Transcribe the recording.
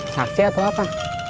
saksi atau apa